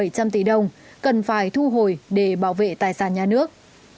cần phải thu hồi để bảo vệ tài sản nhà nước